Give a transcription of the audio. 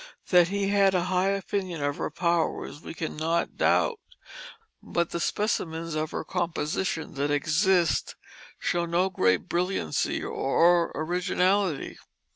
That he had a high opinion of her powers we cannot doubt; but the specimens of her composition that exist show no great brilliancy or originality.